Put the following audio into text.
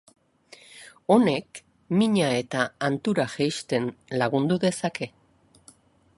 Honek mina eta hantura jaisten lagundu dezake.